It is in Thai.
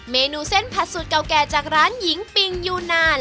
เมนูเส้นผัดสูตรเก่าแก่จากร้านหญิงปิงยูนาน